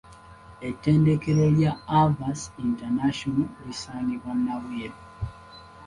Ettendekero lya Avance International lisangibwa Nabweru.